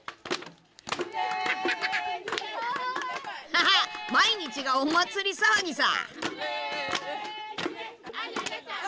ハハッ毎日がお祭り騒ぎさ。